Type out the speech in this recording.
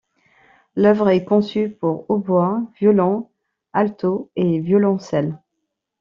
L’œuvre est conçue pour hautbois, violon, alto et violoncelle.